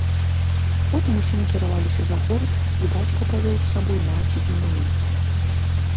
Потым усе накіраваліся за горад, і бацька павёў з сабою маці і мяне.